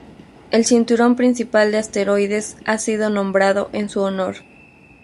El cinturón principal de asteroides ha sido nombrado en su honor.